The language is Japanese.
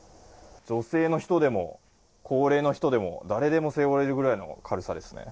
女性の人でも高齢の人でも、誰でも背負えるぐらいの軽さですね。